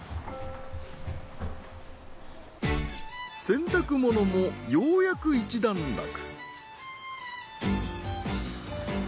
洗濯物もようやく一段落。